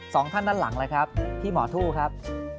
สองท่านด้านหลังเลยครับพี่หมอทู่ครับ